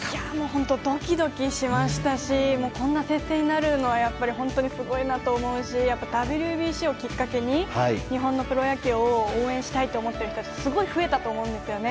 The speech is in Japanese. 本当ドキドキしましたしこんな接戦になるのは本当にすごいなと思いますしやっぱりＷＢＣをきっかけに日本のプロ野球を応援したいと思っている人たちすごい増えたと思うんですよね。